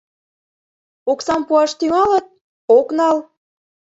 Оксам пуаш тӱҥалыт, ок нал.